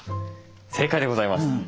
正解でございます。